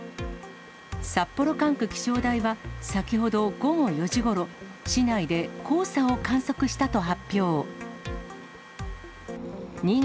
札幌管区気象台は先ほど午後４時ごろ、市内で黄砂を観測したと発表。